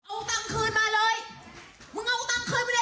เอาตังคืนมาเลยมึงเอาตังคืนมาเลยนะมึงเอางานไปหมุนใช่มั้ย